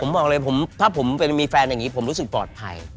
ผมบอกเลยถ้าผมเป็นมีแฟนอย่างนี้ผมรู้สึกปลอดภัย